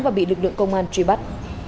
và bị lực lượng công an truy bắt